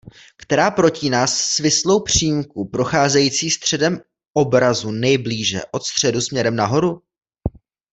Která protíná svislou přímku procházející středem obrazu nejblíže od středu směrem nahoru?